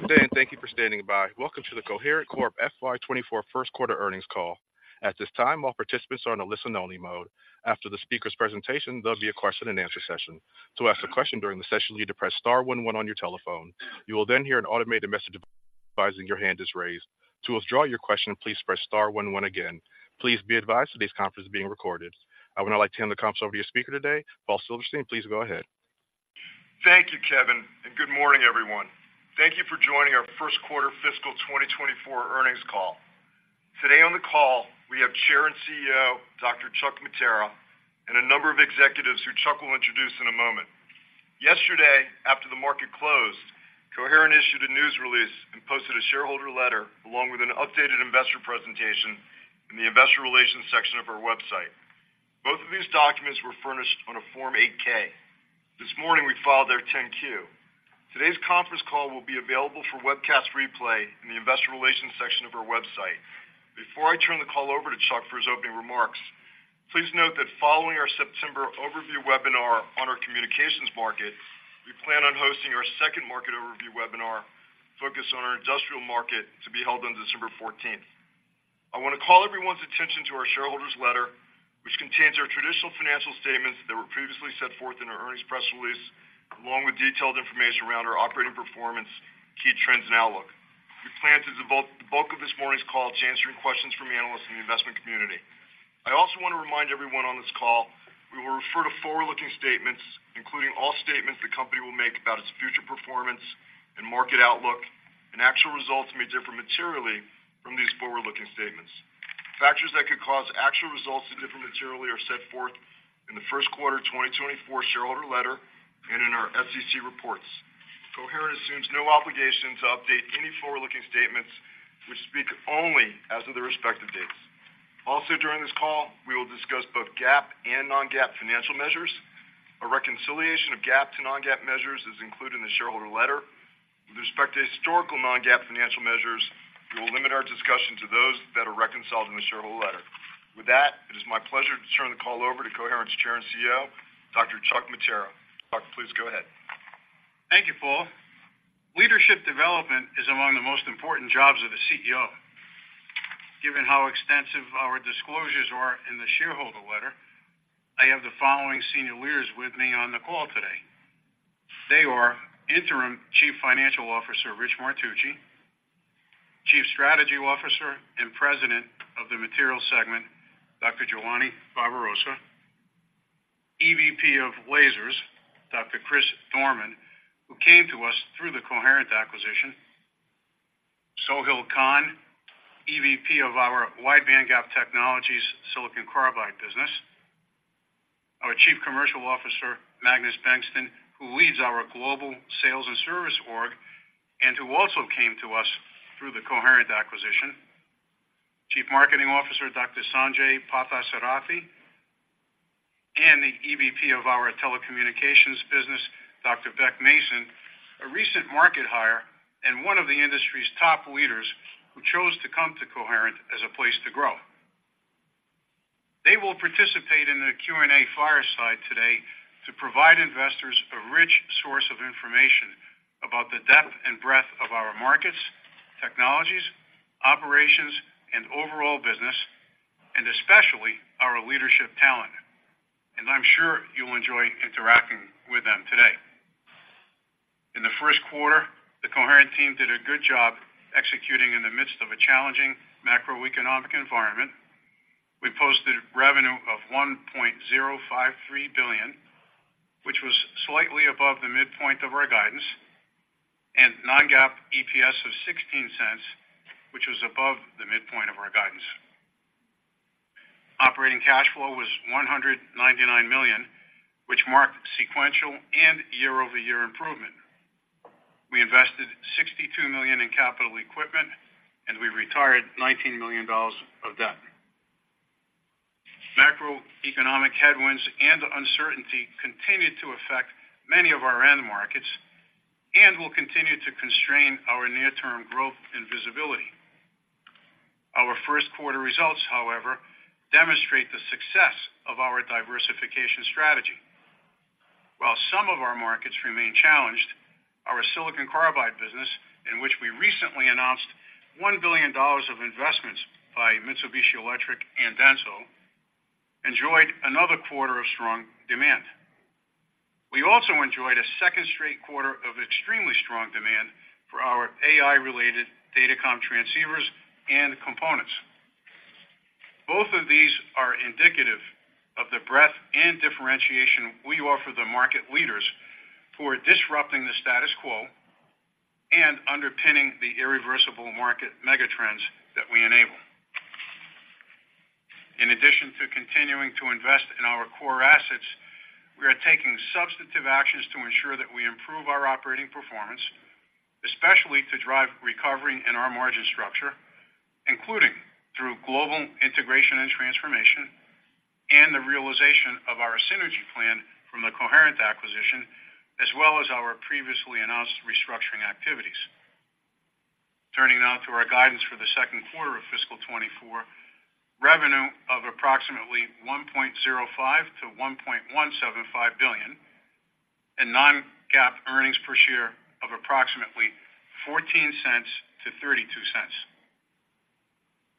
Good day, and thank you for standing by. Welcome to the Coherent Corp. FY 2024 first quarter earnings call. At this time, all participants are in a listen-only mode. After the speaker's presentation, there'll be a question-and-answer session. To ask a question during the session, you need to press star one one on your telephone. You will then hear an automated message advising your hand is raised. To withdraw your question, please press star one one again. Please be advised that this conference is being recorded. I would now like to hand the conference over to your speaker today, Paul Silverstein. Please go ahead. Thank you, Kevin, and good morning, everyone. Thank you for joining our first quarter fiscal 2024 earnings call. Today on the call, we have Chair and CEO, Dr. Chuck Mattera, and a number of executives who Chuck will introduce in a moment. Yesterday, after the market closed, Coherent issued a news release and posted a shareholder letter, along with an updated investor presentation in the investor relations section of our website. Both of these documents were furnished on a Form 8-K. This morning, we filed their 10-Q. Today's conference call will be available for webcast replay in the investor relations section of our website. Before I turn the call over to Chuck for his opening remarks, please note that following our September overview webinar on our communications market, we plan on hosting our second market overview webinar focused on our industrial market to be held on December fourteenth. I want to call everyone's attention to our shareholders letter, which contains our traditional financial statements that were previously set forth in our earnings press release, along with detailed information around our operating performance, key trends, and outlook. We plan to devote the bulk of this morning's call to answering questions from analysts in the investment community. I also want to remind everyone on this call that we will refer to forward-looking statements, including all statements the company will make about its future performance and market outlook, and actual results may differ materially from these forward-looking statements. Factors that could cause actual results to differ materially are set forth in the first quarter 2024 shareholder letter and in our SEC reports. Coherent assumes no obligation to update any forward-looking statements which speak only as of the respective dates. Also, during this call, we will discuss both GAAP and non-GAAP financial measures. A reconciliation of GAAP to non-GAAP measures is included in the shareholder letter. With respect to historical non-GAAP financial measures, we will limit our discussion to those that are reconciled in the shareholder letter. With that, it is my pleasure to turn the call over to Coherent's Chair and CEO, Dr. Chuck Mattera. Chuck, please go ahead. Thank you, Paul. Leadership development is among the most important jobs of a CEO. Given how extensive our disclosures are in the shareholder letter, I have the following senior leaders with me on the call today. They are Interim Chief Financial Officer, Rich Martucci, Chief Strategy Officer and President of the Materials segment, Dr. Giovanni Barbarossa, EVP of Lasers, Dr. Chris Dorman, who came to us through the Coherent acquisition. Sohail Khan, EVP of our Wide Bandgap Technologies silicon carbide business. Our Chief Commercial Officer, Magnus Bengtsson, who leads our global sales and service org and who also came to us through the Coherent acquisition. Chief Marketing Officer, Dr. Sanjai Parthasarathi, and the EVP of our telecommunications business, Dr. Beck Mason, a recent market hire and one of the industry's top leaders who chose to come to Coherent as a place to grow. They will participate in the Q&A fireside today to provide investors a rich source of information about the depth and breadth of our markets, technologies, operations, and overall business, and especially our leadership talent, and I'm sure you'll enjoy interacting with them today. In the first quarter, the Coherent team did a good job executing in the midst of a challenging macroeconomic environment. We posted revenue of $1.053 billion, which was slightly above the midpoint of our guidance, and non-GAAP EPS of $0.16, which was above the midpoint of our guidance. Operating cash flow was $199 million, which marked sequential and year-over-year improvement. We invested $62 million in capital equipment, and we retired $19 million of debt. Macroeconomic headwinds and uncertainty continued to affect many of our end markets and will continue to constrain our near-term growth and visibility. Our first quarter results, however, demonstrate the success of our diversification strategy. While some of our markets remain challenged, our Silicon Carbide business, in which we recently announced $1 billion of investments by Mitsubishi Electric and Denso, enjoyed another quarter of strong demand. We also enjoyed a second straight quarter of extremely strong demand for our AI-related Datacom transceivers and components. Both of these are indicative of the breadth and differentiation we offer the market leaders for disrupting the status quo and underpinning the irreversible market megatrends that we enable. In addition to continuing to invest in our core assets, we are taking substantive actions to ensure that we improve our operating performance, especially to drive recovery in our margin structure, including through global integration and transformation and the realization of our synergy plan from the Coherent acquisition, as well as our previously announced restructuring activities.... Turning now to our guidance for the second quarter of fiscal 2024, revenue of approximately $1.05-$1.175 billion, and non-GAAP earnings per share of approximately $0.14-$0.32.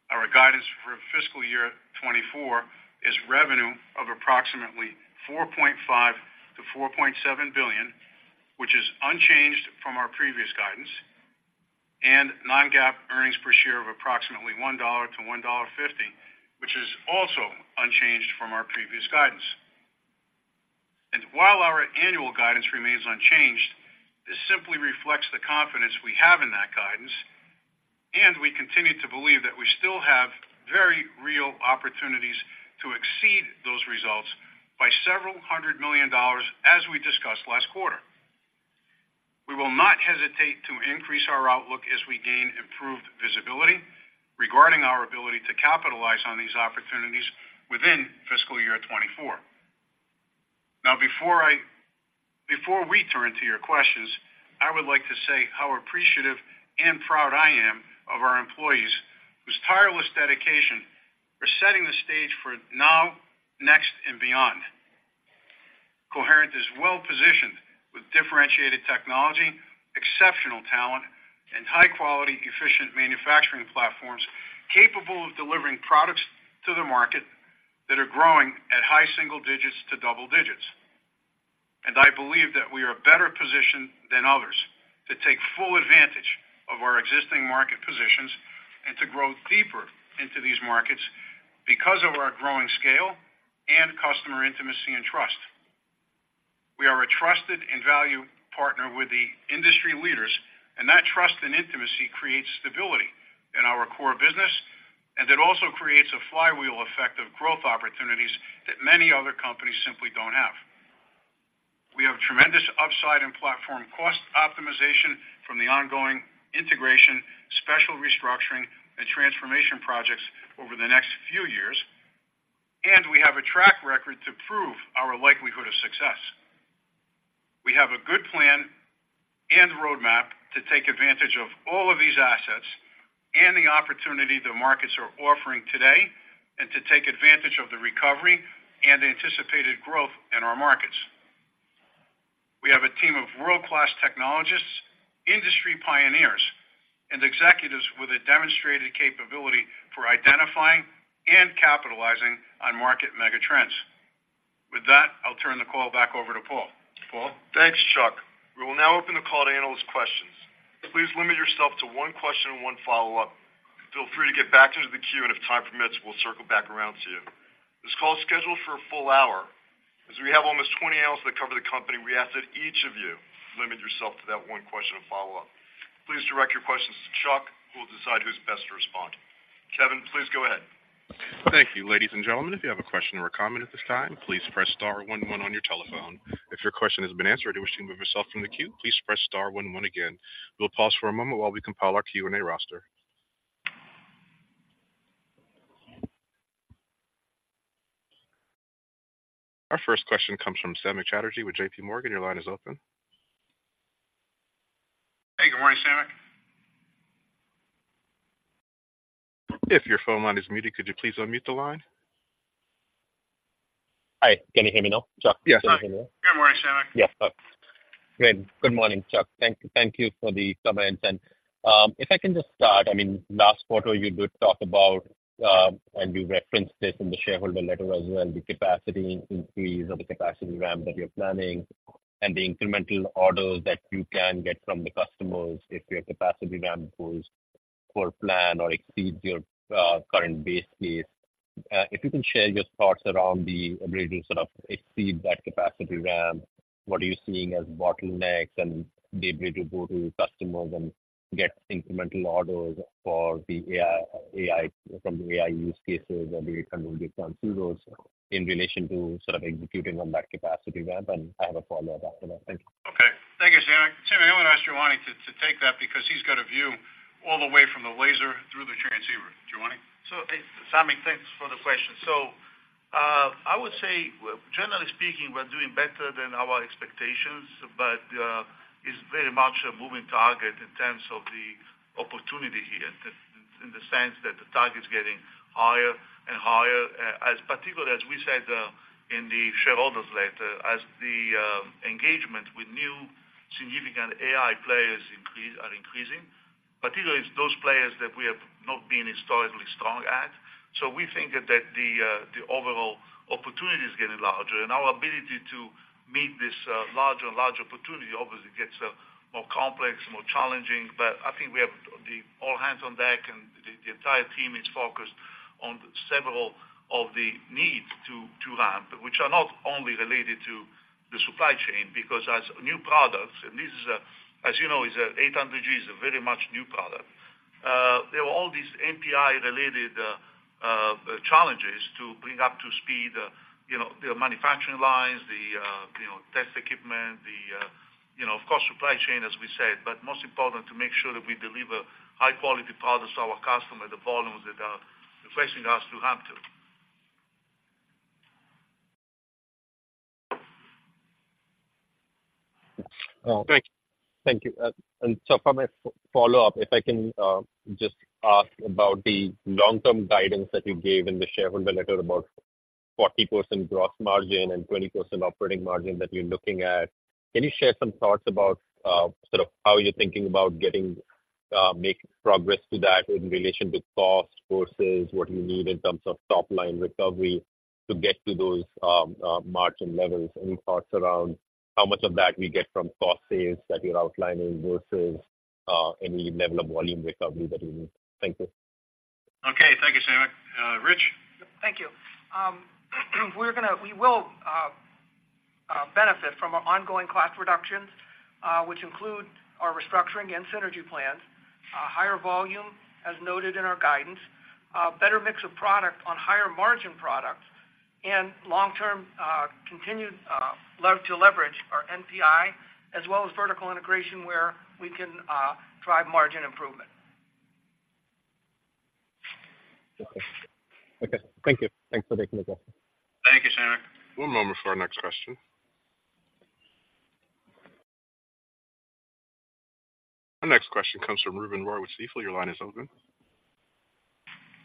Our guidance for fiscal year 2024 is revenue of approximately $4.5 billion-$4.7 billion, which is unchanged from our previous guidance, and non-GAAP earnings per share of approximately $1.00-$1.50, which is also unchanged from our previous guidance. And while our annual guidance remains unchanged, this simply reflects the confidence we have in that guidance, and we continue to believe that we still have very real opportunities to exceed those results by $several hundred million as we discussed last quarter. We will not hesitate to increase our outlook as we gain improved visibility regarding our ability to capitalize on these opportunities within fiscal year 2024. Now before we turn to your questions, I would like to say how appreciative and proud I am of our employees, whose tireless dedication are setting the stage for now, next, and beyond. Coherent is well positioned with differentiated technology, exceptional talent, and high-quality, efficient manufacturing platforms, capable of delivering products to the market that are growing at high single digits to double digits. And I believe that we are better positioned than others to take full advantage of our existing market positions and to grow deeper into these markets because of our growing scale and customer intimacy and trust. We are a trusted and valued partner with the industry leaders, and that trust and intimacy creates stability in our core business, and it also creates a flywheel effect of growth opportunities that many other companies simply don't have. We have tremendous upside and platform cost optimization from the ongoing integration, special restructuring, and transformation projects over the next few years, and we have a track record to prove our likelihood of success. We have a good plan and roadmap to take advantage of all of these assets and the opportunity the markets are offering today and to take advantage of the recovery and anticipated growth in our markets. We have a team of world-class technologists, industry pioneers, and executives with a demonstrated capability for identifying and capitalizing on market mega trends. With that, I'll turn the call back over to Paul. Paul? Thanks, Chuck. We will now open the call to analyst questions. Please limit yourself to one question and one follow-up. Feel free to get back into the queue, and if time permits, we'll circle back around to you. This call is scheduled for a full hour. As we have almost 20 analysts that cover the company, we ask that each of you limit yourself to that one question and follow-up. Please direct your questions to Chuck, who will decide who's best to respond. Kevin, please go ahead. Thank you, ladies and gentlemen. If you have a question or a comment at this time, please press star one one on your telephone. If your question has been answered, and you wish to remove yourself from the queue, please press star one one again. We'll pause for a moment while we compile our Q&A roster. Our first question comes from Samik Chatterjee with J.P. Morgan. Your line is open. Hey, good morning, Samik. If your phone line is muted, could you please unmute the line? Hi, can you hear me now, Chuck? Yes. Good morning, Samik. Yes. Great. Good morning, Chuck. Thank you, thank you for the comments. And, if I can just start, I mean, last quarter, you did talk about, and you referenced this in the shareholder letter as well, the capacity increase or the capacity ramp that you're planning and the incremental orders that you can get from the customers if your capacity ramp goes for plan or exceeds your, current base case. If you can share your thoughts around the ability to sort of exceed that capacity ramp, what are you seeing as bottlenecks and the ability to go to customers and get incremental orders for the AI, from the AI use cases or the 800 gig transceivers in relation to sort of executing on that capacity ramp? And I have a follow-up after that. Thank you. Okay. Thank you, Samik. Samik, I'm going to ask Giovanni to take that because he's got a view all the way from the laser through the transceiver. Giovanni? So Samik, thanks for the question. So, I would say, generally speaking, we're doing better than our expectations, but, it's very much a moving target in terms of the opportunity here, in the sense that the target is getting higher and higher. As particularly as we said, in the shareholders' letter, as the engagement with new significant AI players are increasing, particularly those players that we have not been historically strong at. So we think that the overall opportunity is getting larger, and our ability to meet this larger and larger opportunity obviously gets more complex, more challenging. But I think we have all hands on deck and the entire team is focused on several of the needs to ramp, which are not only related to the supply chain, because as new products, and this is, as you know, 800G is very much a new product. There are all these NPI-related challenges to bring up to speed, you know, the manufacturing lines, the, you know, test equipment, the, you know, of course, supply chain, as we said, but most important, to make sure that we deliver high-quality products to our customer, the volumes that are facing us to have to. Thank you. And so for my follow-up, if I can just ask about the long-term guidance that you gave in the shareholder letter about 40% gross margin and 20% operating margin that you're looking at. Can you share some thoughts about sort of how you're thinking about getting make progress to that in relation to cost versus what you need in terms of top-line recovery to get to those margin levels? Any thoughts around how much of that we get from cost saves that you're outlining versus any level of volume recovery that we need? Thank you. Okay, thank you, Samik. Rich? Thank you. We will benefit from our ongoing cost reductions, which include our restructuring and synergy plans, higher volume, as noted in our guidance, better mix of product on higher margin products, and long-term continued to leverage our NPI, as well as vertical integration, where we can drive margin improvement. Okay. Okay, thank you. Thanks for taking the question. Thank you, Samik. One moment for our next question. Our next question comes from Ruben Roy with Stifel. Your line is open.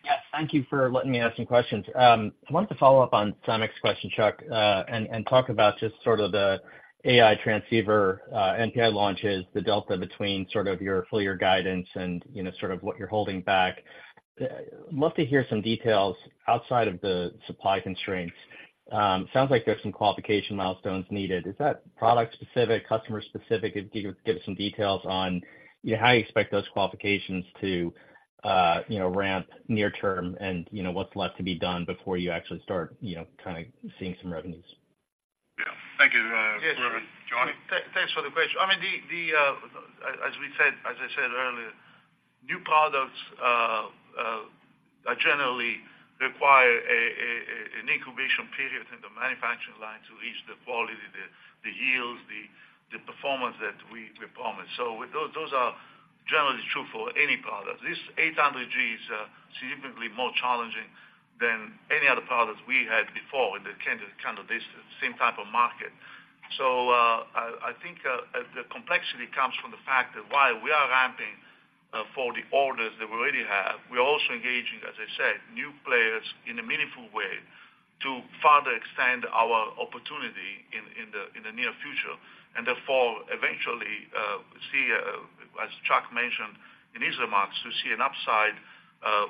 Yes, thank you for letting me ask some questions. I wanted to follow up on Samik's question, Chuck, and talk about just sort of the AI transceiver NPI launches, the delta between sort of your full year guidance and, you know, sort of what you're holding back. Love to hear some details outside of the supply constraints. Sounds like there's some qualification milestones needed. Is that product specific, customer specific? If you could give us some details on, you know, how you expect those qualifications to ramp near term and, you know, what's left to be done before you actually start, you know, kind of seeing some revenues? Yeah. Thank you, Ruben. Giovanni? Thanks for the question. I mean, as we said as I said earlier, new products generally require an incubation period in the manufacturing line to reach the quality, the yields, the performance that we promise. So those are generally true for any product. This 800G is significantly more challenging than any other products we had before in the kind of this same type of market. So, I think the complexity comes from the fact that while we are ramping for the orders that we already have, we are also engaging, as I said, new players in a meaningful way to further extend our opportunity in the near future. And therefore, eventually, we see, as Chuck mentioned in his remarks, to see an upside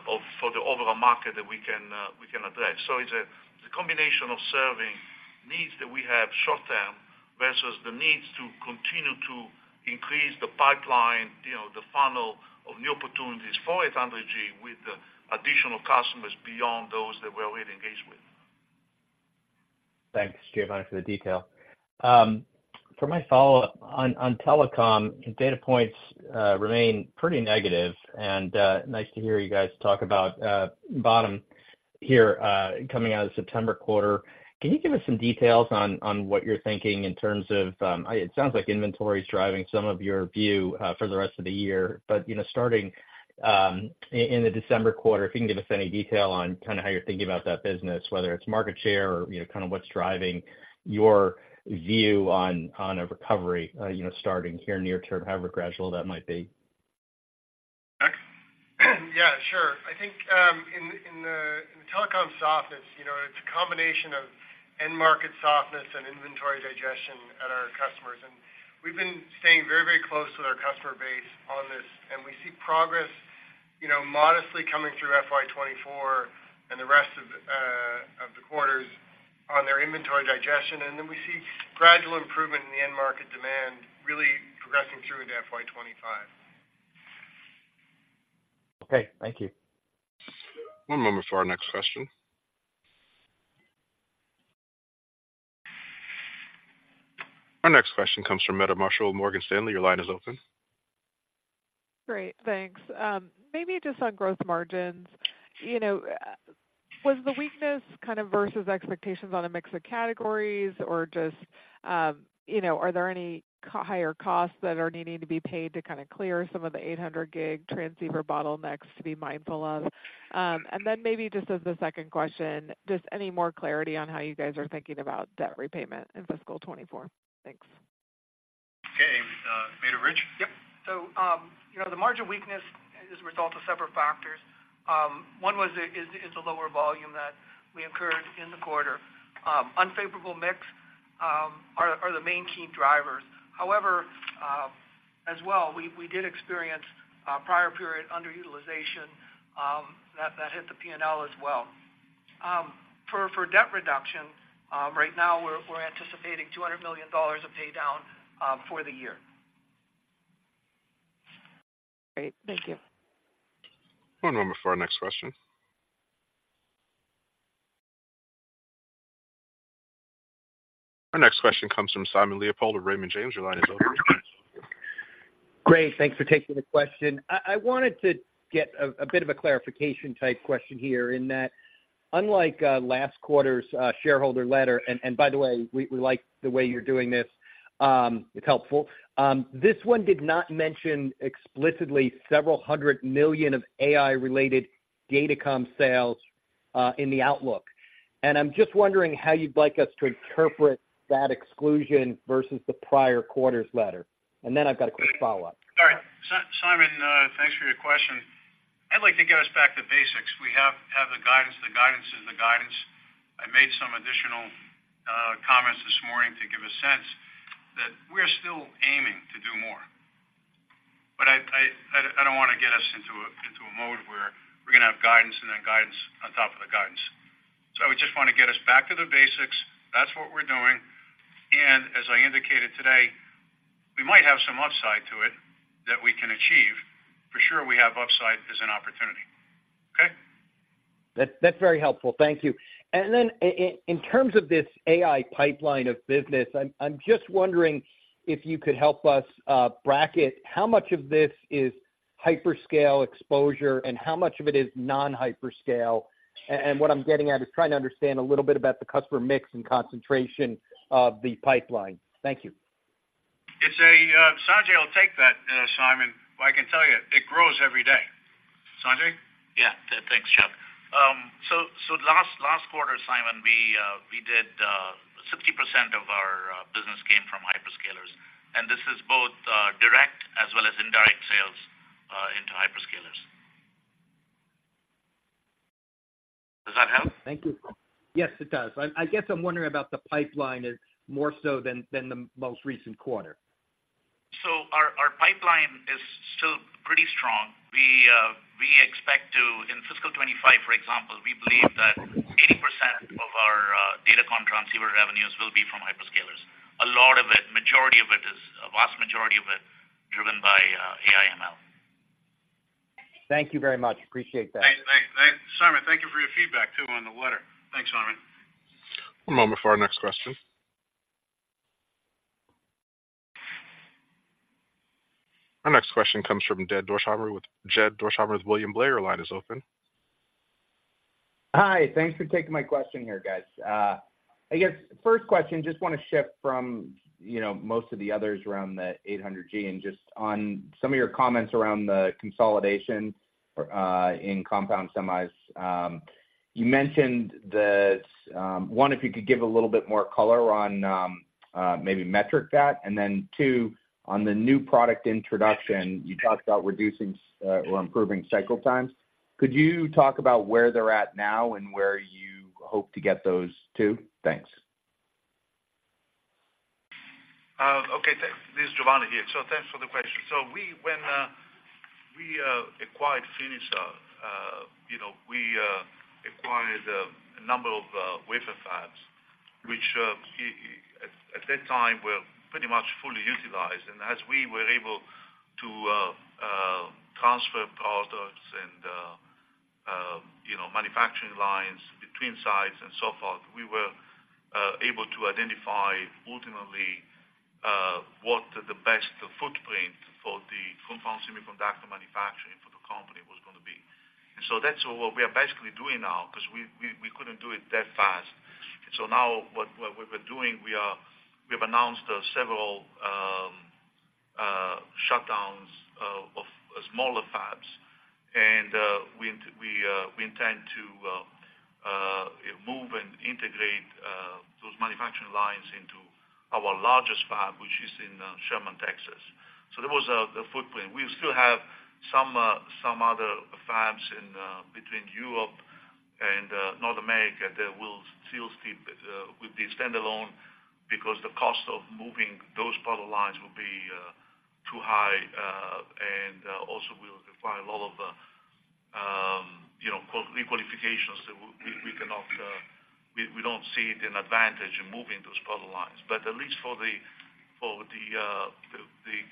of for the overall market that we can, we can address. So it's a combination of serving needs that we have short term versus the needs to continue to increase the pipeline, you know, the funnel of new opportunities for 800G with additional customers beyond those that we're already engaged with. Thanks, Giovanni, for the detail. For my follow-up on telecom data points remain pretty negative, and nice to hear you guys talk about bottom here coming out of September quarter. Can you give us some details on what you're thinking in terms of it sounds like inventory is driving some of your view for the rest of the year. But you know starting in the December quarter if you can give us any detail on kind of how you're thinking about that business whether it's market share or you know kind of what's driving your view on a recovery you know starting here near term however gradual that might be. Chuck? Yeah, sure. I think in the telecom softness, you know, it's a combination of end market softness and inventory digestion at our customers. And we've been staying very, very close with our customer base on this, and we see progress, you know, modestly coming through FY 2024 and the rest of the quarters on their inventory digestion. And then we see gradual improvement in the end market demand really progressing through into FY 2025. Okay, thank you. One moment for our next question. Our next question comes from Meta Marshall, Morgan Stanley. Your line is open. Great, thanks. Maybe just on growth margins. You know, was the weakness kind of versus expectations on a mix of categories, or just, you know, are there any higher costs that are needing to be paid to kind of clear some of the 800-gig transceiver bottlenecks to be mindful of? And then maybe just as the second question, just any more clarity on how you guys are thinking about debt repayment in fiscal 2024? Thanks. Okay, Meta, Rich? Yep. So, you know, the margin weakness is a result of several factors. One is the lower volume that we incurred in the quarter. Unfavorable mix are the main key drivers. However, as well, we did experience a prior period underutilization that hit the P&L as well. For debt reduction, right now we're anticipating $200 million of paydown for the year. Great. Thank you. One moment for our next question. Our next question comes from Simon Leopold of Raymond James. Your line is open. Great, thanks for taking the question. I wanted to get a bit of a clarification type question here, in that unlike last quarter's shareholder letter, and by the way, we like the way you're doing this, it's helpful. This one did not mention explicitly several hundred million of AI-related Datacom sales. in the outlook. And I'm just wondering how you'd like us to interpret that exclusion versus the prior quarter's letter? And then I've got a quick follow-up. All right, Simon, thanks for your question. I'd like to get us back to basics. We have the guidance, the guidance is the guidance. I made some additional comments this morning to give a sense that we're still aiming to do more. But I don't want to get us into a mode where we're gonna have guidance and then guidance on top of the guidance. So I just want to get us back to the basics. That's what we're doing. And as I indicated today, we might have some upside to it that we can achieve. For sure, we have upside as an opportunity. Okay? That's, that's very helpful. Thank you. And then in terms of this AI pipeline of business, I'm just wondering if you could help us bracket how much of this is hyperscale exposure and how much of it is non-hyperscale? And what I'm getting at is trying to understand a little bit about the customer mix and concentration of the pipeline. Thank you. It's a, Sanjai, I'll take that, Simon. But I can tell you, it grows every day. Sanjai? Yeah. Thanks, Jeff. So last quarter, Simon, we did 60% of our business came from hyperscalers, and this is both direct as well as indirect sales into hyperscalers. Does that help? Thank you. Yes, it does. I, I guess I'm wondering about the pipeline more so than, than the most recent quarter. So our, our pipeline is still pretty strong. We, we expect to, in fiscal 2025, for example, we believe that 80% of our, data comm transceiver revenues will be from hyperscalers. A lot of it, majority of it is, a vast majority of it, driven by, AI/ML. Thank you very much. Appreciate that. Thanks. Thanks. Thanks, Simon, thank you for your feedback, too, on the letter. Thanks, Simon. One moment for our next question. Our next question comes from Jed Dorsheimer with William Blair, your line is open. Hi, thanks for taking my question here, guys. I guess, first question, just want to shift from, you know, most of the others around the 800G and just on some of your comments around the consolidation in compound semis. You mentioned that, one, if you could give a little bit more color on, maybe metric that, and then two, on the new product introduction, you talked about reducing or improving cycle times. Could you talk about where they're at now and where you hope to get those to? Thanks. Okay, thanks. This is Giovanni here. So thanks for the question. So we, when, we acquired Finisar, you know, we acquired a number of wafer fabs, which at that time were pretty much fully utilized. And as we were able to transfer products and you know manufacturing lines between sites and so forth, we were able to identify ultimately what the best footprint for the compound semiconductor manufacturing for the company was going to be. And so that's what we are basically doing now, because we couldn't do it that fast. So now what we're doing, we have announced several shutdowns of smaller fabs. We intend to move and integrate those manufacturing lines into our largest fab, which is in Sherman, Texas. There was a footprint. We still have some other fabs in between Europe and North America that will still stay with the standalone because the cost of moving those product lines will be too high and also will require a lot of, you know, requalifications that we cannot, we don't see an advantage in moving those product lines. But at least for the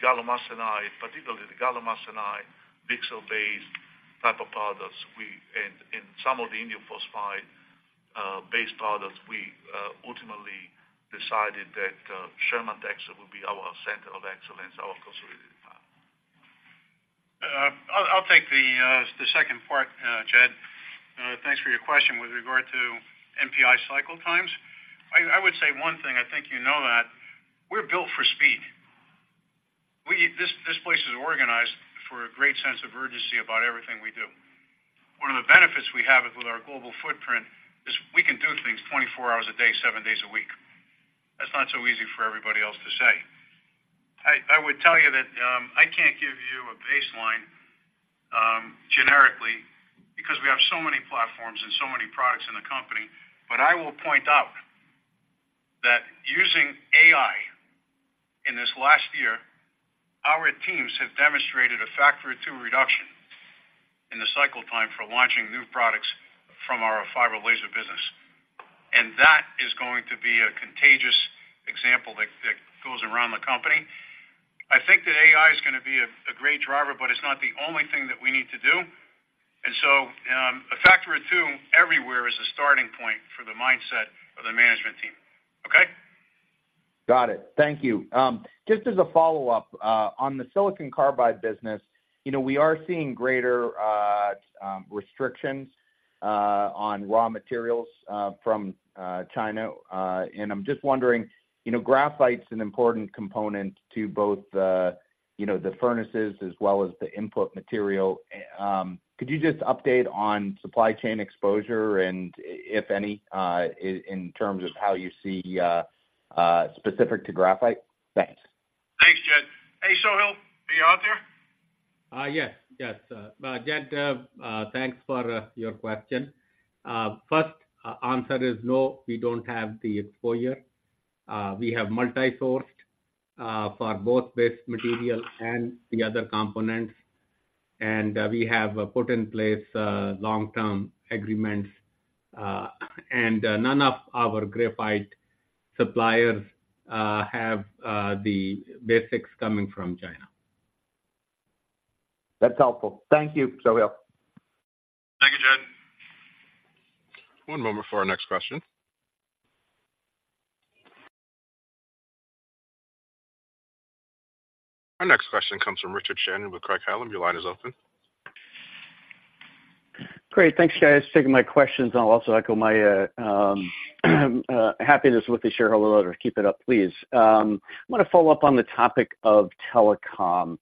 gallium arsenide, particularly the gallium arsenide, VCSEL-based type of products, and some of the indium phosphide based products, we ultimately decided that Sherman, Texas, would be our center of excellence, our consolidated fab. I'll, I'll take the second part, Jed. Thanks for your question. With regard to NPI cycle times, I would say one thing. I think you know that we're built for speed. We this place is organized for a great sense of urgency about everything we do. One of the benefits we have with our global footprint is we can do things 24 hours a day, seven days a week. That's not so easy for everybody else to say. I would tell you that I can't give you a baseline generically, because we have so many platforms and so many products in the company. But I will point out that using AI in this last year, our teams have demonstrated a factor of two reduction in the cycle time for launching new products from our fiber laser business. And that is going to be a contagious example that goes around the company. I think that AI is gonna be a great driver, but it's not the only thing that we need to do. And so, a factor of two everywhere is a starting point for the mindset of the management team. Okay? Got it. Thank you. Just as a follow-up on the silicon carbide business, you know, we are seeing greater restrictions on raw materials from China. And I'm just wondering, you know, graphite's an important component to both the, you know, the furnaces as well as the input material. Could you just update on supply chain exposure, and if any, in terms of how you see specific to graphite? Thanks. Thanks, Jed. Hey, Sohail, are you out there? Yes. Jed, thanks for your question. First, answer is no, we don't have the exposure. We have multi-sourced for both base material and the other components, and we have put in place long-term agreements. None of our graphite suppliers have the basics coming from China. That's helpful. Thank you, Sohail. Thank you, Jed. One moment for our next question. Our next question comes from Richard Shannon with Craig-Hallum. Your line is open. Great, thanks, guys, for taking my questions. I'll also echo my happiness with the shareholder letter. Keep it up, please. I want to follow up on the topic of telecom.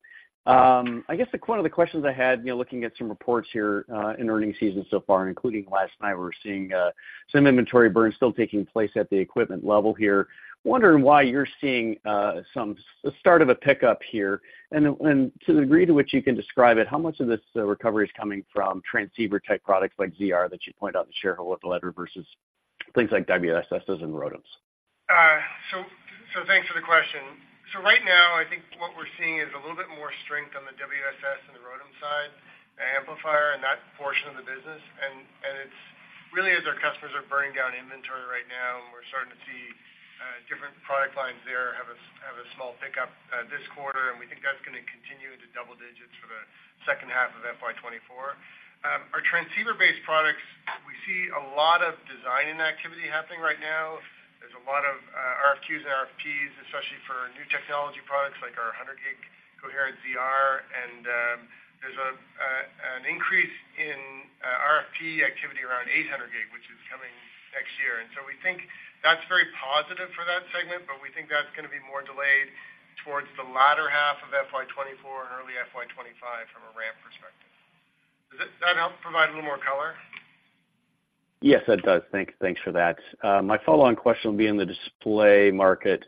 I guess one of the questions I had, you know, looking at some reports here in earnings season so far, including last night, we were seeing some inventory burns still taking place at the equipment level here. Wondering why you're seeing some start of a pickup here? To the degree to which you can describe it, how much of this recovery is coming from transceiver-type products like ZR, that you pointed out in the shareholder letter, versus things like WSSs and ROADMs? So, so thanks for the question. So right now, I think what we're seeing is a little bit more strength on the WSS and the ROADM side, the amplifier, and that portion of the business. And it's really as our customers are burning down inventory right now, and we're starting to see different product lines there have a small pickup this quarter, and we think that's gonna continue into double digits for the second half of FY 2024. Our transceiver-based products, we see a lot of designing activity happening right now. There's a lot of RFQs and RFPs, especially for new technology products like our 100G coherent ZR. And there's an increase in RFP activity around 800G, which is coming next year. And so we think that's very positive for that segment, but we think that's gonna be more delayed towards the latter half of FY 2024 and early FY 2025 from a ramp perspective. Does that, that help provide a little more color? Yes, that does. Thanks for that. My follow-on question will be in the display market.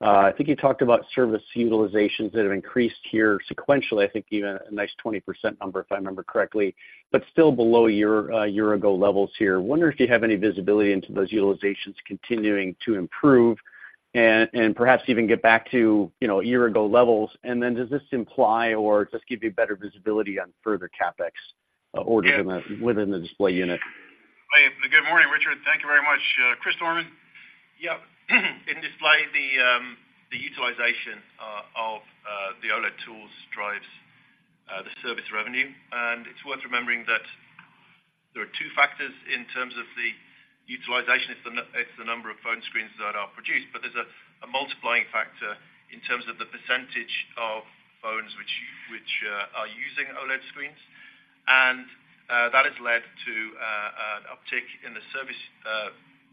I think you talked about service utilizations that have increased here sequentially, I think even a nice 20% number, if I remember correctly, but still below your year-ago levels here. I wonder if you have any visibility into those utilizations continuing to improve and perhaps even get back to, you know, year-ago levels. And then does this imply or just give you better visibility on further CapEx orders within the display unit? Good morning, Richard. Thank you very much. Chris Dorman? Yep. In display, the utilization of the OLED tools drives the service revenue. It's worth remembering that there are two factors in terms of the utilization. It's the number of phone screens that are produced, but there's a multiplying factor in terms of the percentage of phones which are using OLED screens. That has led to an uptick in the service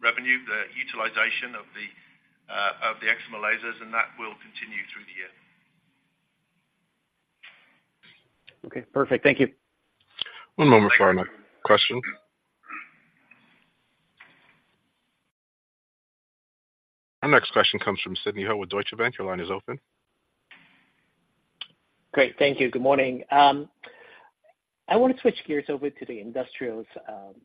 revenue, the utilization of the excimer lasers, and that will continue through the year. Okay, perfect. Thank you. One moment for our next question. Our next question comes from Sidney Ho with Deutsche Bank. Your line is open. Great. Thank you. Good morning. I want to switch gears over to the industrials,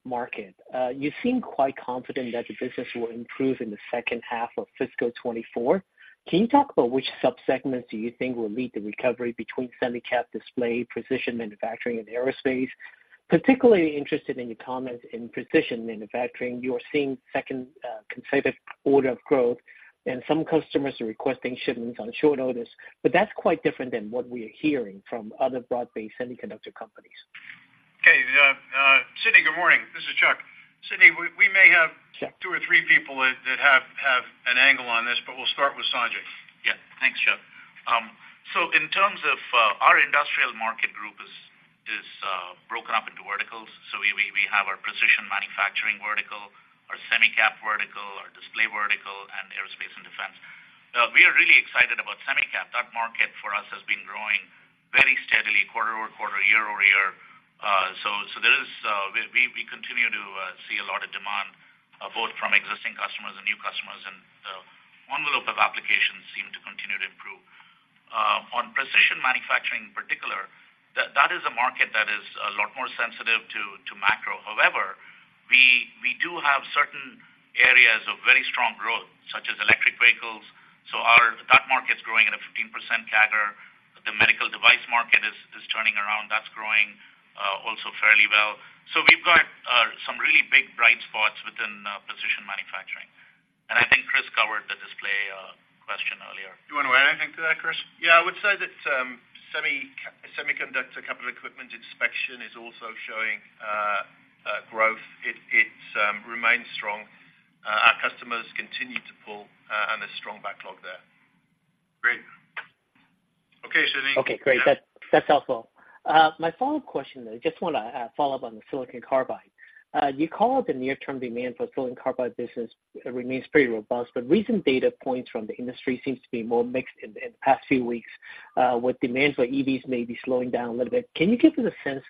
market. You seem quite confident that the business will improve in the second half of fiscal 2024. Can you talk about which subsegments do you think will lead the recovery between Semi Cap, display, precision manufacturing, and aerospace? Particularly interested in your comments in precision manufacturing. You are seeing second, considerable order of growth, and some customers are requesting shipments on short notice, but that's quite different than what we are hearing from other broad-based semiconductor companies. Okay, Sydney, good morning. This is Chuck. Sydney, we may have- Sure. two or three people that have an angle on this, but we'll start with Sanjai. Yeah. Thanks, Chuck. So in terms of our industrial market group is broken up into verticals. So we have our precision manufacturing vertical, our Semi Cap vertical, our display vertical, and aerospace and defense. We are really excited about Semi Cap. That market for us has been growing very steadily, quarter-over-quarter, year-over-year. So there is we continue to see a lot of demand both from existing customers and new customers, and envelope of applications seem to continue to improve. On precision manufacturing in particular, that is a market that is a lot more sensitive to macro. However, we do have certain areas of very strong growth, such as electric vehicles. That market is growing at a 15% CAGR. The medical device market is turning around. That's growing also fairly well. So we've got some really big, bright spots within precision manufacturing. And I think Chris covered the display question earlier. You want to add anything to that, Chris? Yeah, I would say that semiconductor capital equipment inspection is also showing growth. It remains strong. Our customers continue to pull, and there's strong backlog there. Okay, great. That, that's helpful. My follow-up question, I just wanna follow up on the silicon carbide. You called the near term demand for silicon carbide business remains pretty robust, but recent data points from the industry seems to be more mixed in the past few weeks, with demands where EVs may be slowing down a little bit. Can you give us a sense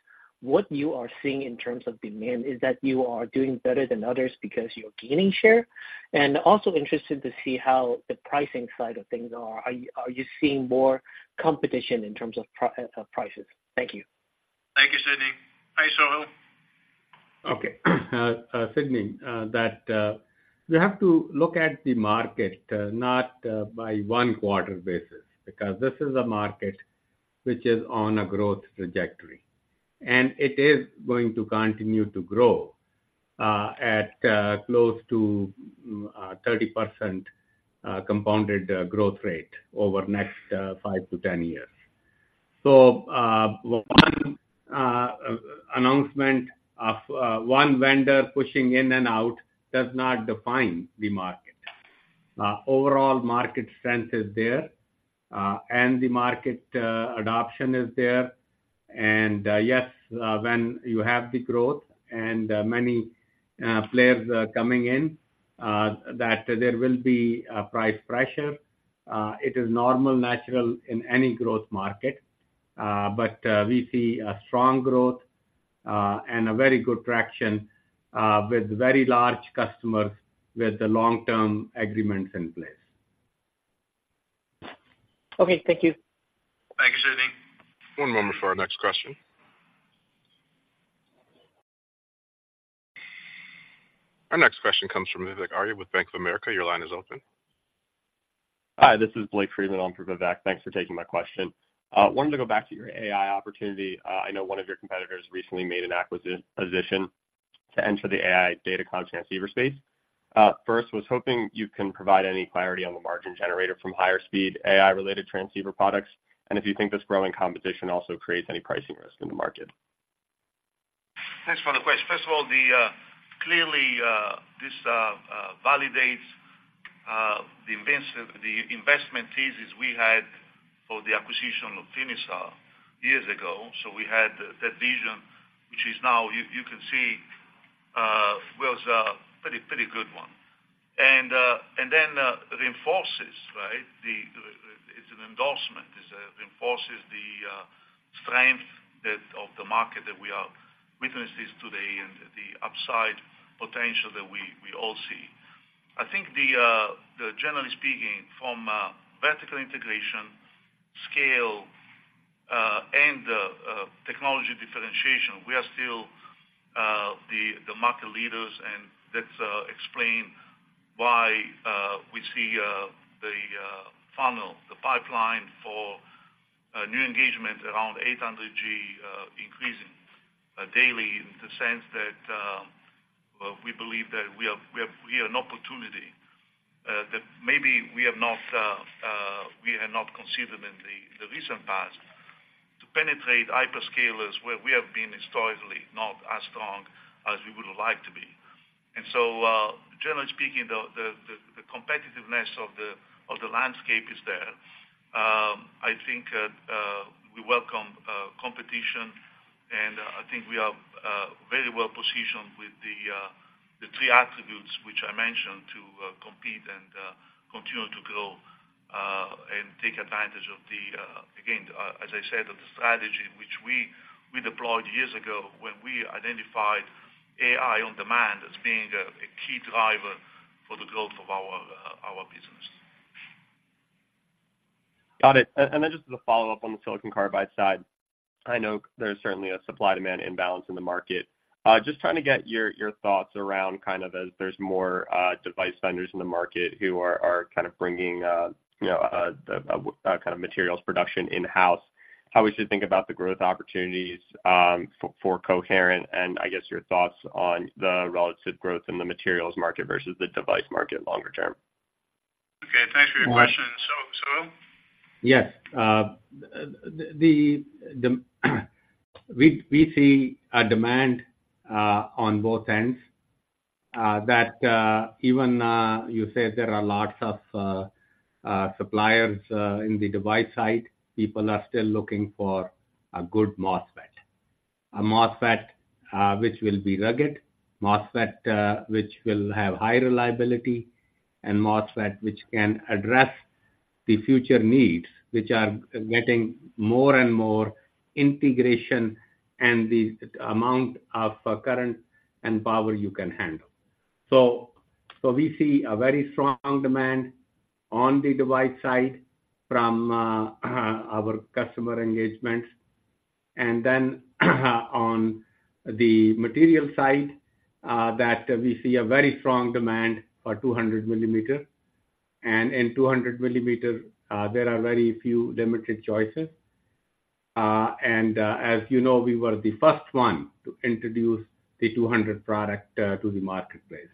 what you are seeing in terms of demand? Is that you are doing better than others because you're gaining share? And also interested to see how the pricing side of things are. Are you seeing more competition in terms of pricing? Thank you. Thank you, Sydney. Hi, Sohail. Okay. Sydney, that you have to look at the market, not by one quarter basis, because this is a market which is on a growth trajectory. And it is going to continue to grow at close to 30% compounded growth rate over the next five to 10 years. So, one announcement of one vendor pushing in and out does not define the market. Overall market strength is there, and the market adoption is there. And yes, when you have the growth and many players coming in, that there will be a price pressure. It is normal, natural in any growth market. But we see a strong growth and a very good traction with very large customers with the long-term agreements in place. Okay. Thank you. Thank you, Sydney. One moment for our next question. Our next question comes from Vivek Arya with Bank of America. Your line is open. Hi, this is Blake Friedman on for Vivek. Thanks for taking my question. Wanted to go back to your AI opportunity. I know one of your competitors recently made an acquisition to enter the AI datacom transceiver space. First, was hoping you can provide any clarity on the margin generator from higher speed AI-related transceiver products, and if you think this growing competition also creates any pricing risk in the market. Thanks for the question. First of all, clearly this validates the investment thesis we had for the acquisition of Finisar years ago. So we had that vision, which is now, you can see, was a pretty, pretty good one. And then reinforces, right. It's an endorsement. It reinforces the strength of the market that we are witnesses to today and the upside potential that we all see. I think, generally speaking, from vertical integration, scale, and technology differentiation, we are still the market leaders, and that explain why we see the funnel, the pipeline for new engagement around 800G increasing daily, in the sense that we believe that we have an opportunity that maybe we have not considered in the recent past, to penetrate hyperscalers where we have been historically not as strong as we would like to be. And so, generally speaking, the competitiveness of the landscape is there. I think we welcome competition, and I think we are very well positioned with the three attributes which I mentioned, to compete and continue to grow and take advantage of the... Again, as I said, of the strategy which we deployed years ago when we identified AI on demand as being a key driver for the growth of our business. Got it. And then just as a follow-up on the Silicon Carbide side. I know there's certainly a supply-demand imbalance in the market. Just trying to get your thoughts around, kind of, as there's more device vendors in the market who are kind of bringing, you know, the kind of materials production in-house, how we should think about the growth opportunities for Coherent, and I guess your thoughts on the relative growth in the materials market versus the device market longer term? Okay, thanks for your question. So, Sohail? Yes. We see a demand on both ends, that even you said there are lots of suppliers in the device side, people are still looking for a good MOSFET. A MOSFET which will be rugged, MOSFET which will have high reliability, and MOSFET which can address the future needs, which are getting more and more integration and the amount of current and power you can handle. So we see a very strong demand on the device side from our customer engagements. And then, on the material side, that we see a very strong demand for 200 millimeter. And in 200 millimeter, there are very few limited choices. And, as you know, we were the first one to introduce the 200 product to the marketplace.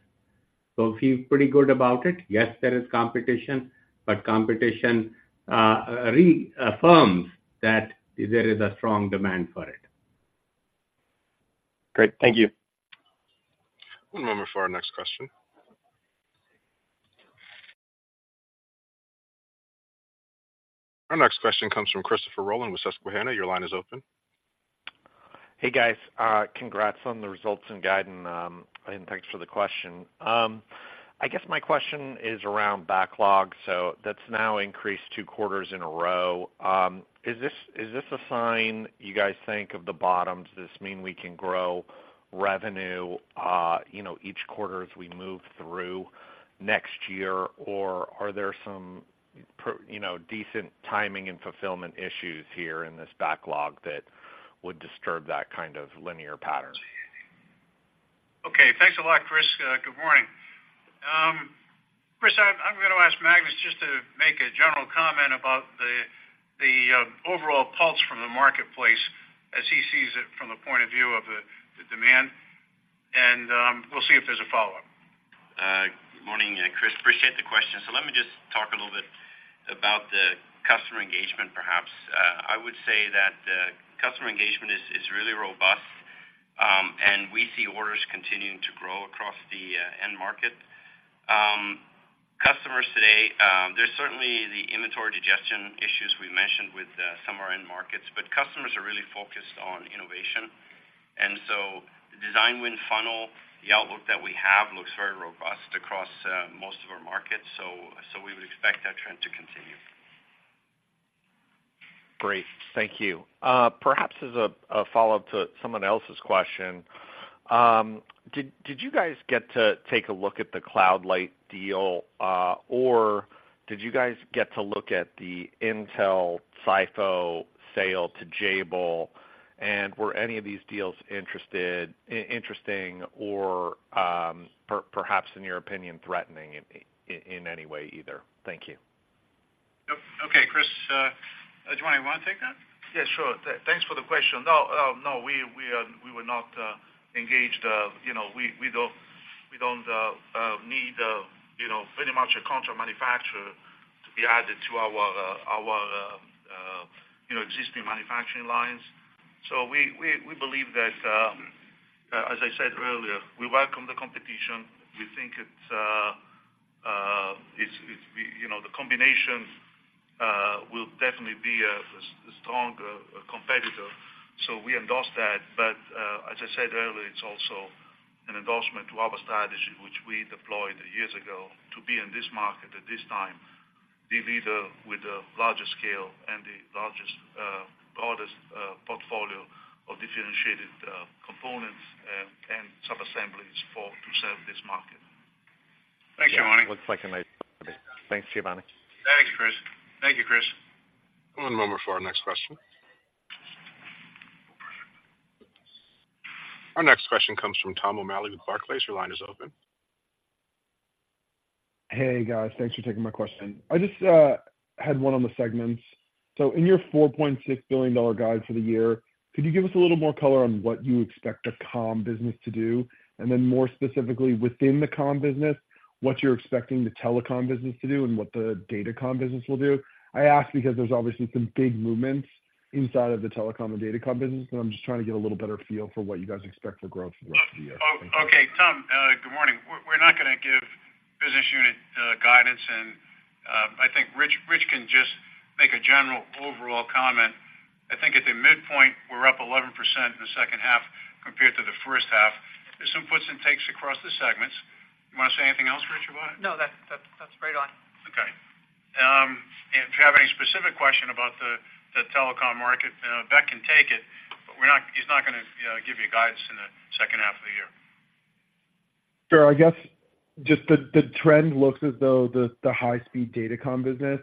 So feel pretty good about it. Yes, there is competition, but competition re-affirms that there is a strong demand for it. Great. Thank you. One moment for our next question. Our next question comes from Christopher Rolland with Susquehanna. Your line is open. Hey, guys, congrats on the results and guidance, and thanks for the question. I guess my question is around backlog, so that's now increased two quarters in a row. Is this, is this a sign you guys think of the bottom? Does this mean we can grow revenue, you know, each quarter as we move through next year? Or are there some, you know, decent timing and fulfillment issues here in this backlog that would disturb that kind of linear pattern? Okay, thanks a lot, Chris. Good morning. Chris, I'm gonna ask Magnus just to make a general comment about the overall pulse from the marketplace as he sees it from the point of view of the demand, and we'll see if there's a follow-up. Good morning, Chris. Appreciate the question. So let me just talk a little bit about the customer engagement, perhaps. I would say that customer engagement is really robust, and we see orders continuing to grow across the end market. Customers today, there's certainly the inventory digestion issues we mentioned with some of our end markets, but customers are really focused on innovation. And so design win funnel, the outlook that we have looks very robust across most of our markets, so we would expect that trend to continue. Great. Thank you. Perhaps as a follow-up to someone else's question, did you guys get to take a look at the Cloud Light deal, or did you guys get to look at the Intel silicon photonics sale to Jabil? And were any of these deals interesting or, perhaps, in your opinion, threatening in any way either? Thank you. Okay, Chris, Giovanni, you want to take that? Yeah, sure. Thanks for the question. No, we were not engaged, you know, we don't need, you know, pretty much a contract manufacturer to be added to our existing manufacturing lines. So we believe that, as I said earlier, we welcome the competition. We think it's, you know, the combination will definitely be a strong competitor, so we endorse that. But, as I said earlier, it's also an endorsement to our strategy, which we deployed years ago to be in this market at this time. The leader with the largest scale and the largest, broadest portfolio of differentiated components and subassemblies to serve this market. Thanks, Giovanni. Looks like a nice company. Thanks, Giovanni. Thanks, Chris. Thank you, Chris. One moment for our next question. Our next question comes from Tom O'Malley with Barclays. Your line is open. Hey, guys, thanks for taking my question. I just had one on the segments. So in your $4.6 billion guide for the year, could you give us a little more color on what you expect the comm business to do? And then more specifically, within the comm business, what you're expecting the telecom business to do and what the datacom business will do? I ask because there's obviously some big movements inside of the telecom and datacom business, and I'm just trying to get a little better feel for what you guys expect for growth for the rest of the year. Okay, Tom, good morning. We're not gonna give business unit guidance, and I think Rich can just make a general overall comment. I think at the midpoint, we're up 11% in the second half compared to the first half. There's some puts and takes across the segments. You want to say anything else, Rich, about it? No, that, that's right on. Okay. If you have any specific question about the telecom market, Beck can take it, but we're not, he's not gonna give you guidance in the second half of the year. Sure, I guess just the trend looks as though the high-speed datacom business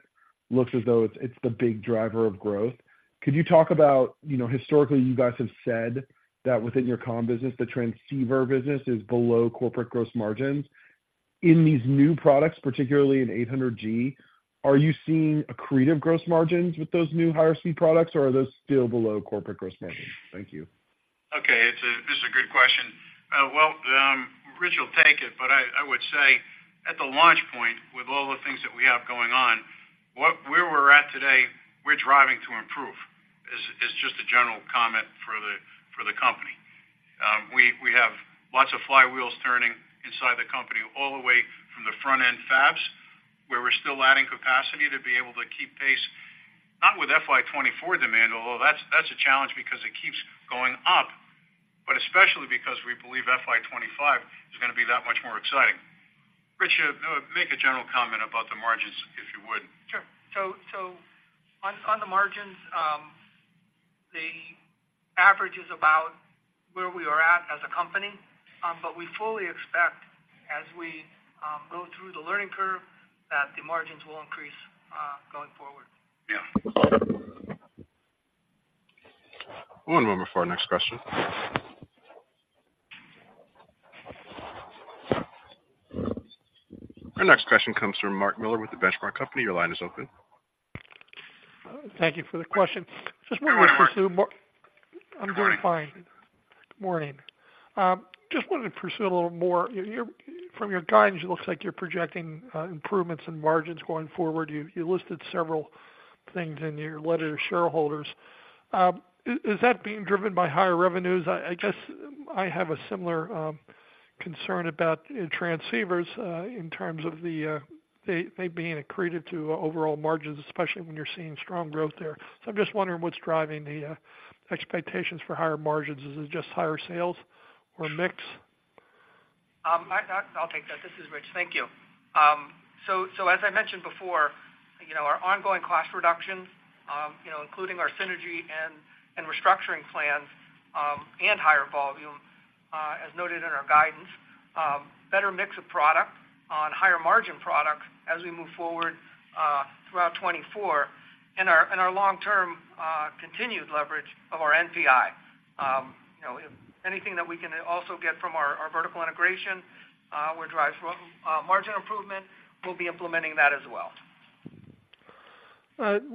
looks as though it's the big driver of growth. Could you talk about, you know, historically, you guys have said that within your comm business, the transceiver business is below corporate gross margins. In these new products, particularly in 800G, are you seeing accretive gross margins with those new higher speed products, or are those still below corporate gross margins? Thank you. Okay, this is a good question. Well, Rich will take it, but I would say at the launch point, with all the things that we have going on, where we're at today, we're driving to improve. It is just a general comment for the company. We have lots of flywheels turning inside the company, all the way from the front-end fabs, where we're still adding capacity to be able to keep pace, not with FY 2024 demand, although that's a challenge because it keeps going up, but especially because we believe FY 2025 is gonna be that much more exciting. Rich, make a general comment about the margins, if you would. Sure. So, on the margins, the average is about where we are at as a company, but we fully expect, as we go through the learning curve, that the margins will increase, going forward. Yeah. One moment for our next question. Our next question comes from Mark Miller with the Benchmark Company. Your line is open. Thank you for the question. Hey, Mark. I'm doing fine. Morning. Just wanted to pursue a little more. Your, from your guidance, it looks like you're projecting improvements in margins going forward. You, you listed several- things in your letter to shareholders. Is that being driven by higher revenues? I just have a similar concern about transceivers in terms of they being accretive to overall margins, especially when you're seeing strong growth there. So I'm just wondering what's driving the expectations for higher margins. Is it just higher sales or mix? I'll take that. This is Rich. Thank you. So as I mentioned before, you know, our ongoing cost reductions, you know, including our synergy and restructuring plans, and higher volume, as noted in our guidance, better mix of product on higher margin products as we move forward, throughout 2024, and our long-term continued leverage of our NPI. You know, anything that we can also get from our vertical integration will drive from margin improvement. We'll be implementing that as well.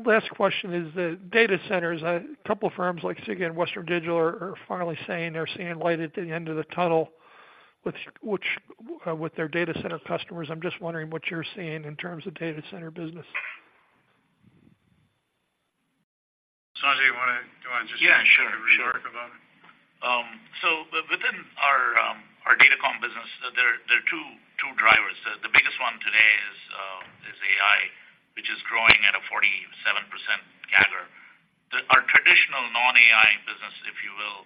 Last question is the data centers. A couple of firms like Seagate and Western Digital are, are finally saying they're seeing light at the end of the tunnel, which, which, with their data center customers. I'm just wondering what you're seeing in terms of data center business. Sanjai, you wanna just- Yeah, sure. Sure. So within our datacom business, there are two drivers. The biggest one today is AI, which is growing at a 47% CAGR. Our traditional non-AI business, if you will,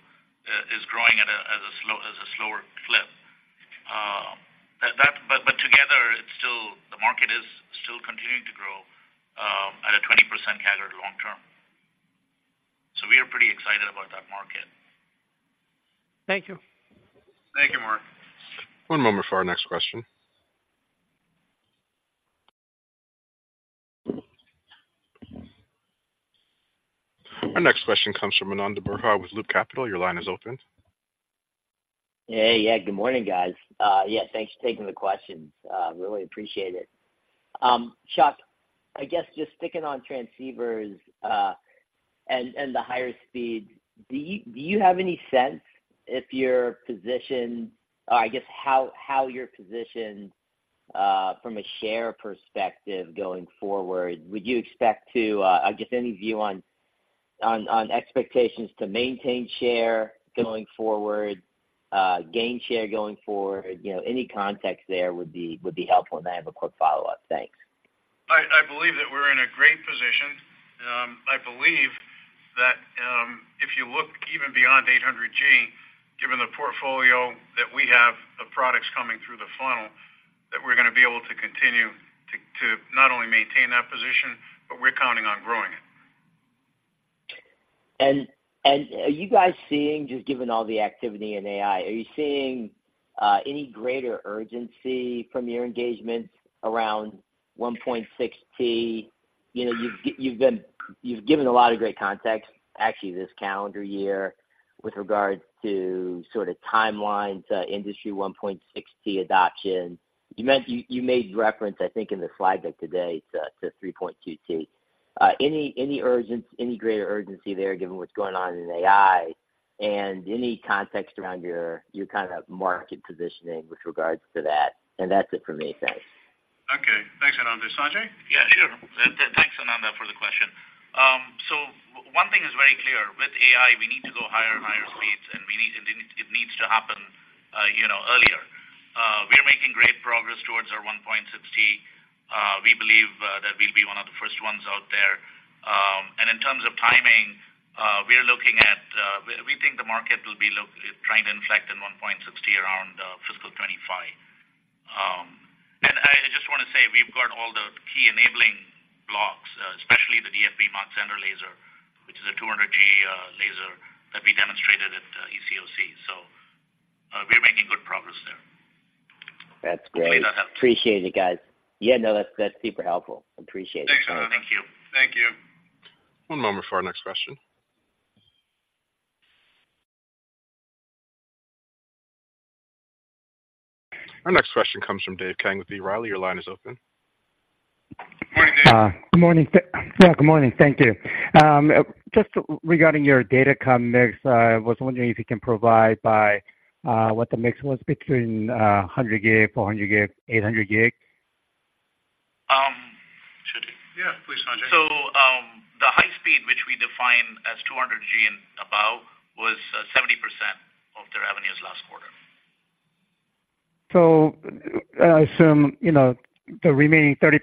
is growing at a slower clip. But together, it's still. The market is still continuing to grow at a 20% CAGR long term. So we are pretty excited about that market. Thank you. Thank you, Mark. One moment for our next question. Our next question comes from Ananda Baruah with Loop Capital. Your line is open. Hey, yeah, good morning, guys. Yeah, thanks for taking the questions. Really appreciate it. Chuck, I guess just sticking on transceivers and the higher speed, do you have any sense if your position, or I guess how your position from a share perspective going forward, would you expect to I guess any view on expectations to maintain share going forward, gain share going forward? You know, any context there would be helpful, and I have a quick follow-up. Thanks. I believe that we're in a great position. I believe that, if you look even beyond 800G, given the portfolio that we have, the products coming through the funnel, that we're gonna be able to continue to not only maintain that position, but we're counting on growing it. Are you guys seeing, just given all the activity in AI, are you seeing any greater urgency from your engagements around 1.6T? You know, you've given a lot of great context, actually, this calendar year with regards to sort of timelines, industry 1.6T adoption. You meant you, you made reference, I think, in the slide deck today to 3.2T. Any, any urgency, any greater urgency there, given what's going on in AI, and any context around your, your kind of market positioning with regards to that? That's it for me. Thanks. Okay. Thanks, Ananda. Sanjai? Yeah, sure. Thanks, Ananda, for the question. So one thing is very clear. With AI, we need to go higher and higher speeds, and we need, it, it needs to happen, you know, earlier. We are making great progress towards our 1.6T. We believe that we'll be one of the first ones out there. And in terms of timing, we are looking at, we think the market will be trying to inflect in 1.6T around fiscal 2025. And I just want to say, we've got all the key enabling blocks, especially the DFB modulated laser, which is a 200G laser that we demonstrated at ECOC. So, we're making good progress there. That's great. Please, I have- Appreciate it, guys. Yeah, no, that's, that's super helpful. Appreciate it. Thanks, Ananda. Thank you. Thank you. One moment for our next question. Our next question comes from Dave Kang with B. Riley. Your line is open. Morning, Dave. Good morning. Yeah, good morning. Thank you. Just regarding your datacom mix, I was wondering if you can provide by, what the mix was between, 100G, 400G, 800G? Should you? Yeah, please, Sanjai. The high speed, which we define as 200G and above, was 70% of their revenues last quarter. So I assume, you know, the remaining 30%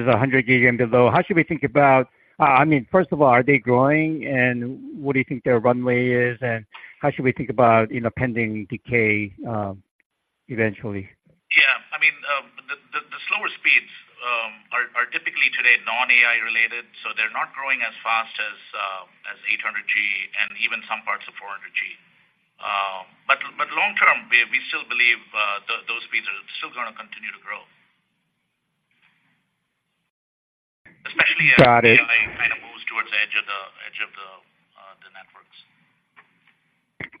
is 100 gig and below. How should we think about... I mean, first of all, are they growing, and what do you think their runway is, and how should we think about, you know, pending decay, eventually? Yeah. I mean, the slower speeds are typically today non-AI related, so they're not growing as fast as 800G and even some parts of 400G. But long term, we still believe those speeds are still gonna continue to grow. Especially as- Got it. AI kind of moves towards the edge of the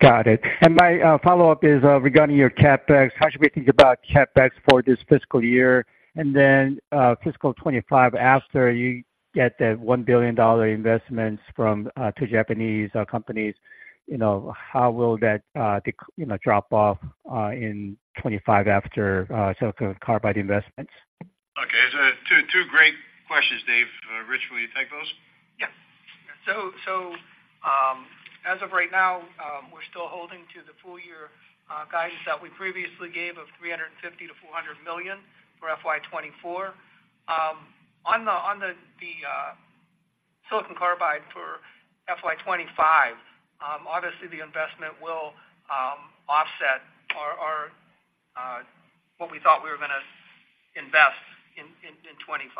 networks. Got it. My follow-up is regarding your CapEx. How should we think about CapEx for this fiscal year? And then, fiscal 2025, after you get the $1 billion investments from two Japanese companies? You know, how will that drop off in 2025 after the Silicon Carbide investments? Okay, so two, two great questions, Dave. Rich, will you take those? Yes. As of right now, we're still holding to the full year guidance that we previously gave of $350 million-$400 million for FY 2024. On the silicon carbide for FY 2025, obviously the investment will offset our what we thought we were gonna invest in 2025.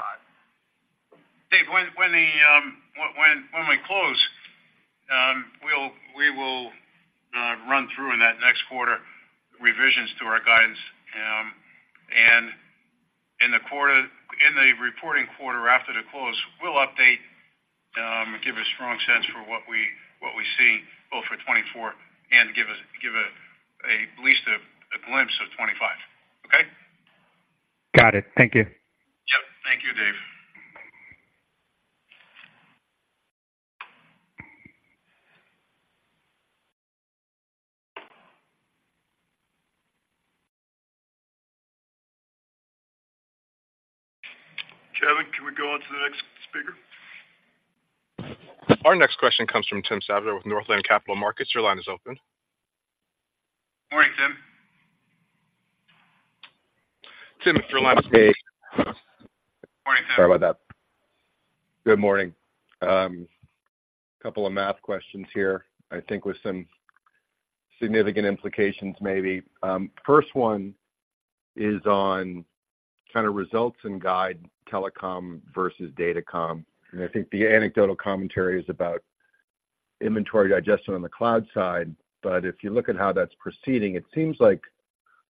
Dave, when we close, we will run through in that next quarter revisions to our guidance. And in the reporting quarter after the close, we'll update, give a strong sense for what we see both for 2024 and give at least a glimpse of 2025. Okay? Got it. Thank you. Yep. Thank you, Dave. Kevin, can we go on to the next speaker? Our next question comes from Tim Savageaux with Northland Capital Markets. Your line is open. Morning, Tim. Tim, your line is open. Hey. Morning, Tim. Sorry about that. Good morning. A couple of math questions here, I think with some significant implications maybe. First one is on kind of results and guide telecom versus datacom. And I think the anecdotal commentary is about inventory digestion on the cloud side. But if you look at how that's proceeding, it seems like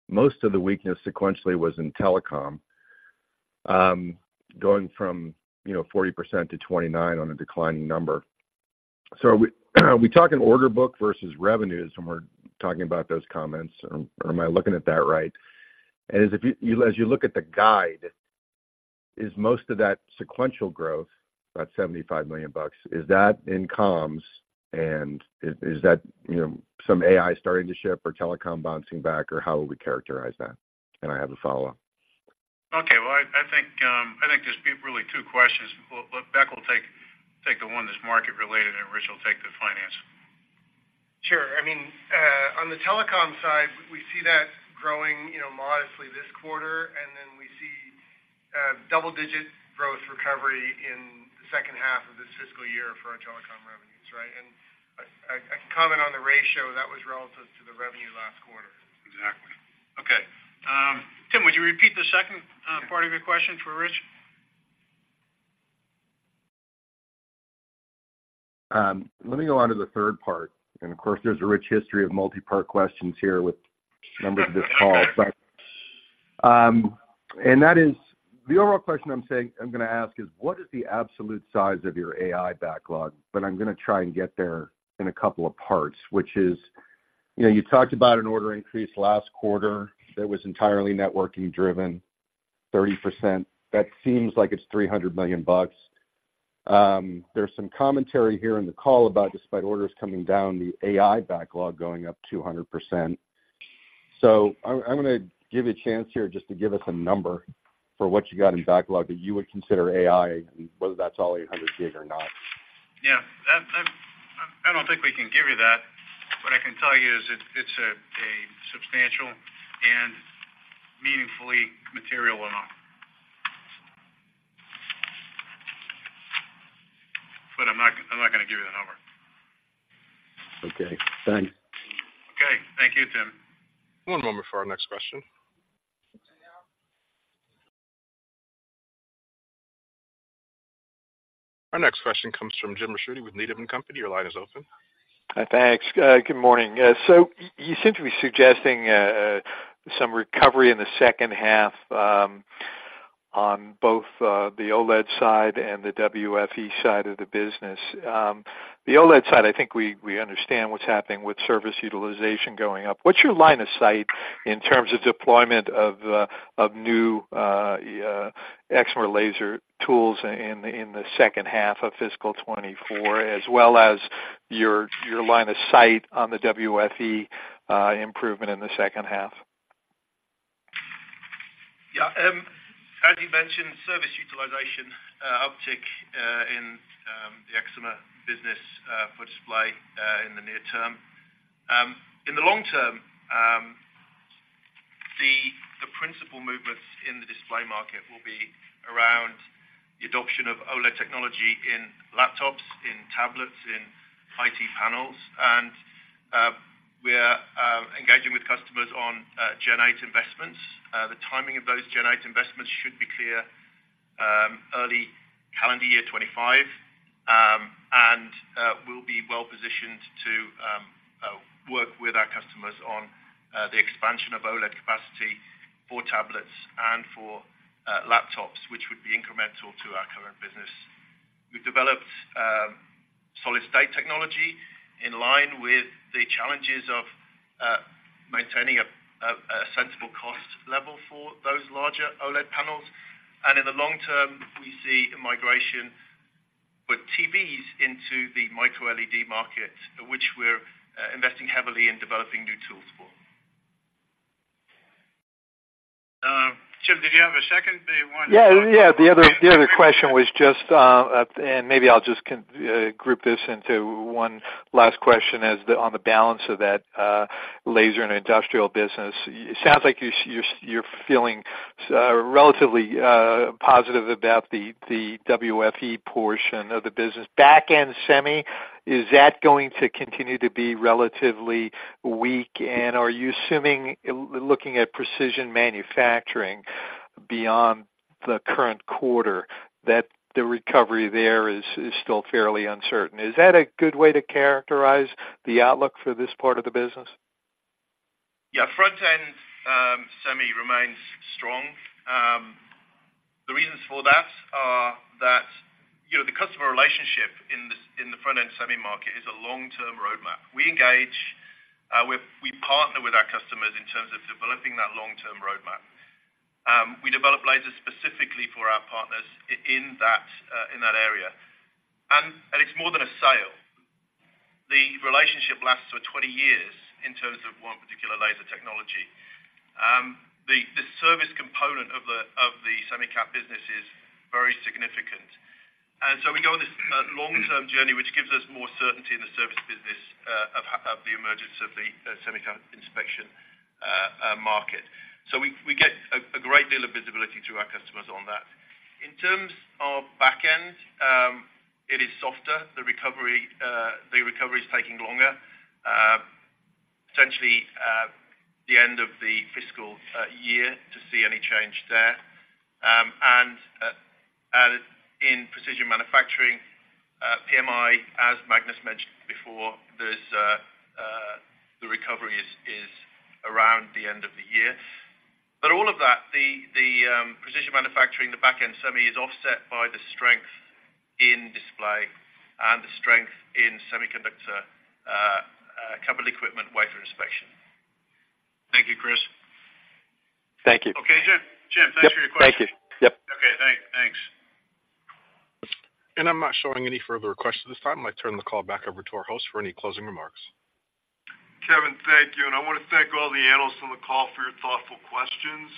most of the weakness sequentially was in telecom, going from, you know, 40% to 29% on a declining number. So are we talking order book versus revenues when we're talking about those comments, or am I looking at that right? And as you look at the guide, is most of that sequential growth, that $75 million, in comms? And is that, you know, some AI starting to ship or telecom bouncing back, or how would we characterize that? And I have a follow-up. Okay. Well, I think there's really two questions. Well, look, Beck will take the one that's market related, and Rich will take the finance. Sure. I mean, on the telecom side, we see that growing, you know, modestly this quarter, and then we see double-digit growth recovery in the second half of this fiscal year for our telecom revenues, right? And I can comment on the ratio that was relative to the revenue last quarter. Exactly. Okay. Tim, would you repeat the second part of your question for Rich? Let me go on to the third part, and of course, there's a rich history of multi-part questions here with members of this call. And that is... the overall question I'm saying, I'm gonna ask is: What is the absolute size of your AI backlog? But I'm gonna try and get there in a couple of parts, which is, you know, you talked about an order increase last quarter that was entirely networking driven, 30%. That seems like it's $300 million. There's some commentary here in the call about despite orders coming down, the AI backlog going up 200%. So I, I'm gonna give you a chance here just to give us a number for what you got in backlog that you would consider AI, and whether that's all 800G or not. Yeah. That, I don't think we can give you that, but I can tell you is it's a substantial and meaningfully material one-off. But I'm not going to give you the number. Okay, thanks. Okay. Thank you, Tim. One moment for our next question. Our next question comes from Jim Ricchiuti with Needham & Company. Your line is open. Hi, thanks. Good morning. So you seem to be suggesting some recovery in the second half, on both the OLED side and the WFE side of the business. The OLED side, I think we understand what's happening with service utilization going up. What's your line of sight in terms of deployment of new Excimer laser tools in the second half of fiscal 2024, as well as your line of sight on the WFE improvement in the second half? Yeah, as you mentioned, service utilization uptick in the excimer business for display in the near term. In the long term, the principal movements in the display market will be around the adoption of OLED technology in laptops, in tablets, in IT panels. And we are engaging with customers on Gen 8 investments. The timing of those Gen 8 investments should be clear early calendar year 2025. And we'll be well-positioned to work with our customers on the expansion of OLED capacity for tablets and for laptops, which would be incremental to our current business. We've developed solid-state technology in line with the challenges of maintaining a sensible cost level for those larger OLED panels. In the long term, we see a migration with TVs into the MicroLED market, which we're investing heavily in developing new tools for. Jim, did you have a second day one? Yeah, yeah. The other, the other question was just, and maybe I'll just group this into one last question as the, on the balance of that, laser and industrial business. It sounds like you're, you're, you're feeling relatively positive about the WFE portion of the business. Back-end semi, is that going to continue to be relatively weak? And are you assuming, looking at precision manufacturing beyond the current quarter, that the recovery there is still fairly uncertain? Is that a good way to characterize the outlook for this part of the business? Yeah, front-end semi remains strong. The reasons for that are that, you know, the customer relationship in the front-end semi market is a long-term roadmap. We engage, we partner with our customers in terms of developing that long-term roadmap. We develop lasers specifically for our partners in that area. And it's more than a sale. The relationship lasts for 20 years in terms of one particular laser technology. The service component of the semi cap business is very significant. And so we go on this long-term journey, which gives us more certainty in the service business of the emergence of the semi cap inspection market. So we get a great deal of visibility through our customers on that. In terms of back-end, it is softer. The recovery, the recovery is taking longer, potentially, the end of the fiscal year to see any change there. And in precision manufacturing, PMI, as Magnus mentioned before, the recovery is around the end of the year. But all of that, the precision manufacturing, the back-end semi, is offset by the strength in display and the strength in semiconductor capital equipment, wafer inspection. Thank you, Chris. Thank you. Okay, Jim. Jim, thanks for your question. Thank you. Yep. Okay, thanks. Thanks. And I'm not showing any further questions at this time. I'd like to turn the call back over to our host for any closing remarks. Kevin, thank you. I want to thank all the analysts on the call for your thoughtful questions.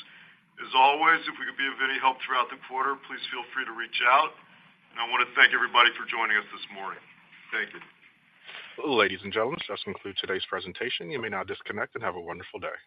As always, if we could be of any help throughout the quarter, please feel free to reach out. I want to thank everybody for joining us this morning. Thank you. Ladies and gentlemen, this concludes today's presentation. You may now disconnect and have a wonderful day.